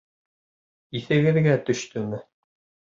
Иҫегеҙгә төштөмө?